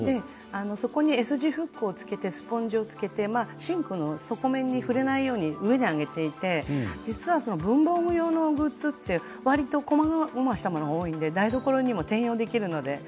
Ｓ字フックをつけてスポンジをつり下げてシンクの底面に触れないように上に上げて文房具用のグッズはこまごましたものが多いので台所にも転用できるんです。